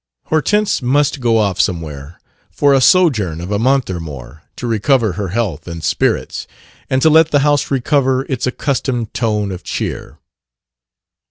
Hortense must go off somewhere, for a sojourn of a month or more, to recover her health and spirits and to let the house recover its accustomed tone of cheer.